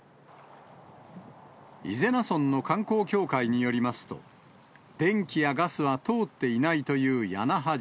伊是名村の観光協会によりますと、電気やガスは通っていないという屋那覇島。